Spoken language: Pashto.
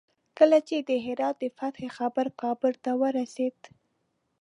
کله چې د هرات د فتح خبر کابل ته ورسېد.